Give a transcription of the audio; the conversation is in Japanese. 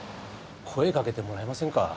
声かけてもらえませんか？